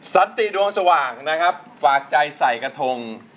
สันติดวงสว่างนะครับฝากใจใส่กระทง